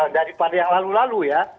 daripada yang lalu lalu ya